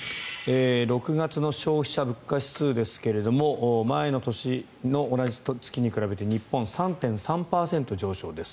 ６月の消費者物価指数ですが前の年の同じ月に比べて日本は３．３％上昇です。